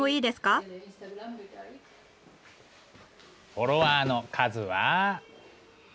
フォロワーの数は。